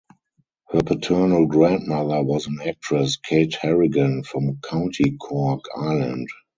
Her paternal grandmother was an actress, Kate Harrigan, from County Cork, Ireland.